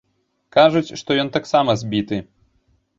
Кажуць, што ён таксама збіты.